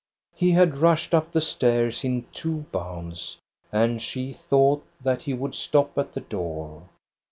He had rushed up the stairs in two bounds, and she thought that he would stop at the door.